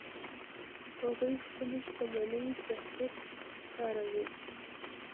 هغوی خپلې شتمنۍ صحیح کاروي